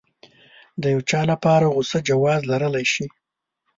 د يو چا لپاره غوسه جواز لرلی شي.